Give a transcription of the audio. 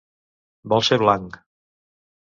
Vol ser blanc.